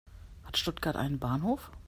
Hat Stuttgart einen Bahnhof?